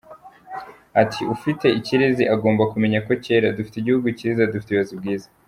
Ati “ Ufite ikirezi agomba kumenya ko cyera, dufite igihugu cyiza, dufite ubuyobozi bwiza.